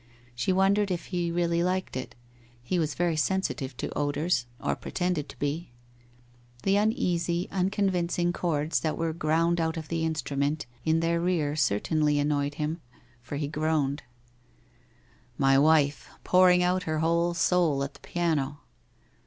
She wondered if he really liked it, he was very sensitive to odours or pretended to be. ... The uneasy unconvincing chords that were ground out of the instrument in their rear certainly annoyed him, for he groaned. WHITE ROSE OF WEARY LEAF 133 ' My wife, pouring out her whole soul at the piano